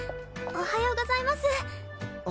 おはようございます。